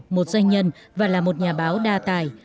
một doanh nhân và là một nhà báo đa tài